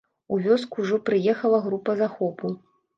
У вёску ўжо прыехала група захопу.